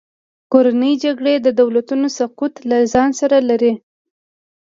کورنۍ جګړې د دولتونو سقوط له ځان سره لري.